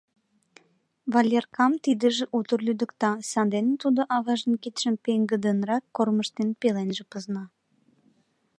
Валеркам тидыже утыр лӱдыкта, сандене тудо, аважын кидшым пеҥгыдынрак кормыжтен, пеленже пызна.